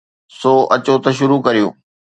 سو اچو ته شروع ڪريون.